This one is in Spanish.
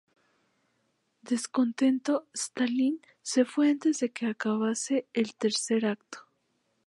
Descontento, Stalin se fue antes de que acabase el tercer acto.